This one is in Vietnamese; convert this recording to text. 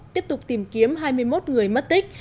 tiếp tục tìm kiếm hai mươi một người mất tích